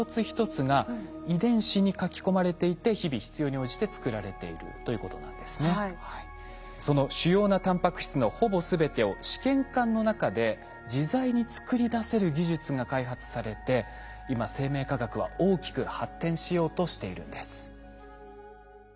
こうした多様なその主要なタンパク質のほぼ全てを試験管の中で自在に作り出せる技術が開発されて今生命科学は大きく発展しようとしているんです。